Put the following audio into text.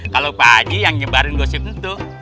kalau pak haji yang nyebarin gosip itu